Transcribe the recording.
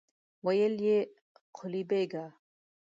ويې ويل: قلي بېګه!